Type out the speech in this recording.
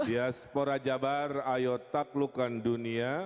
diaspora jabar ayo tak lukan dunia